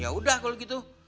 ya sudah kalau begitu